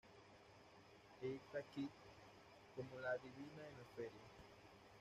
Eartha Kitt como La adivina en la feria.